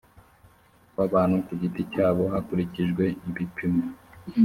w abantu ku giti cyabo hakurikijwe ibipimo